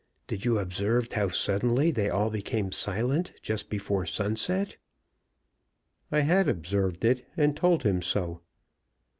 Did you observe how suddenly they all became silent just before sunset?" I had observed it, and told him so.